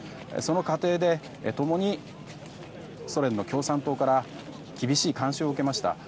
その過程で共にソ連の共産党から厳しい干渉を受けました。